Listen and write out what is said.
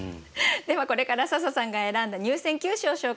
ではこれから笹さんが選んだ入選九首を紹介します。